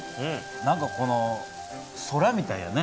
何かこの空みたいやね。